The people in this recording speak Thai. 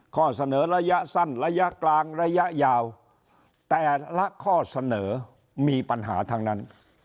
ข้อเสนอระยะสั้นระยะกลางระยะยาวแต่ละข้อเสนอมีปัญหาทั้งนั้น